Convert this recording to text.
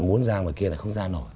muốn ra ngoài kia là không ra nổi